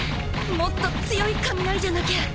もっと強い雷じゃなきゃ。